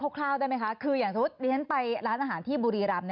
เอาคร่าวได้ไหมคะคืออย่างสมมุติดิฉันไปร้านอาหารที่บุรีรัมน์